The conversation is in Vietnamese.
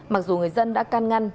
mặc dù người dân đã can ngăn